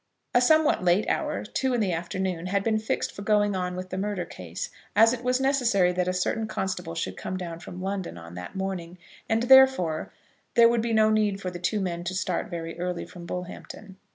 A somewhat late hour, two in the afternoon, had been fixed for going on with the murder case, as it was necessary that a certain constable should come down from London on that morning; and, therefore, there would be no need for the two men to start very early from Bullhampton.